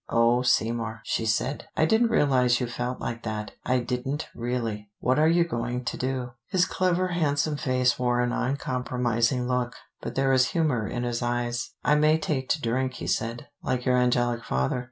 "Oh, Seymour," she said. "I didn't realize you felt like that: I didn't, really. What are you going to do?" His clever handsome face wore an uncompromising look, but there was humor in his eyes. "I may take to drink," he said, "like your angelic father.